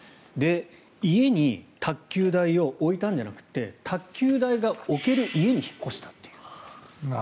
家に卓球台を置いたんじゃなくて卓球台が置ける家に引っ越したという。